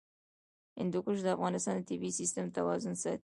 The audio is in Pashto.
هندوکش د افغانستان د طبعي سیسټم توازن ساتي.